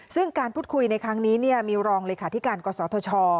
ซึ่งการพูดคุยในครั้งนี้เนี่ยมีรองเลยค่ะที่การกษทช